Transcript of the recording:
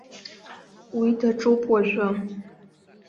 Уи даҿуп уажәы.